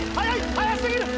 速すぎる！